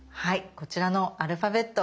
こちらのアルファベット